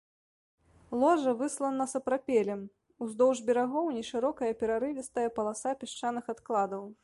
Ложа выслана сапрапелем, уздоўж берагоў нешырокая перарывістая паласа пясчаных адкладаў.